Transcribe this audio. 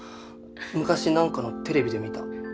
昔なんかのテレビで見た。